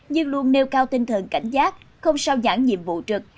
nhưng luôn nêu cao tinh thần cảnh giác không sao nhãn nhiệm vụ trực